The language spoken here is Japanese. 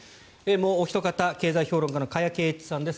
もうおひと方経済評論家の加谷珪一さんです。